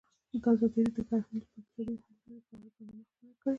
ازادي راډیو د کرهنه لپاره د بدیل حل لارې په اړه برنامه خپاره کړې.